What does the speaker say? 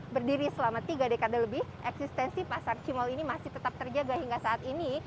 berdiri selama tiga dekade lebih eksistensi pasar cimol ini masih tetap terjaga hingga saat ini